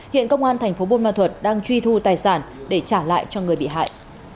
hiện công an thành phố buôn ma thuật đang truy thu tài sản để trả lại cho người bị hại